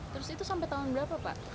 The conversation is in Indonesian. terus itu sampai tahun berapa pak